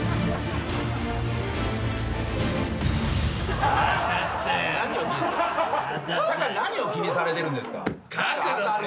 さっきから何を気にされてるんですか